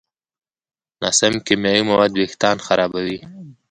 ناسم کیمیاوي مواد وېښتيان خرابوي.